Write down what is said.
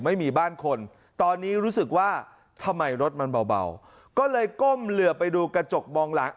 ไม่มีบ้านคนตอนนี้รู้สึกว่าทำไมรถมันเบาก็เลยก้มเหลือไปดูกระจกมองหลัง